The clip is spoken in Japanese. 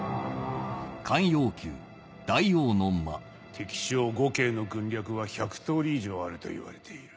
敵将・呉慶の軍略は１００通り以上あるといわれている。